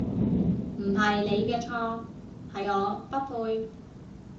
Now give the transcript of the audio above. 唔係你嘅錯，係我不配